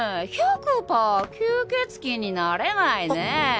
１００パー吸血鬼になれないね。